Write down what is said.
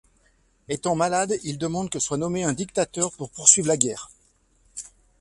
Étant malade, il demande que soit nommé un dictateur pour poursuivre la guerre.